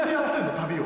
旅を。